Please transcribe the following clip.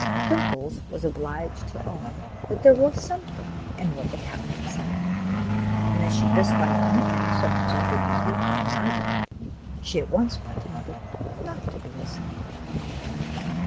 Dimples was obliged to own that there was something in what the captain said ; and as she disliked nothing so much as being beaten in an argument, she at once pretended not to be listening.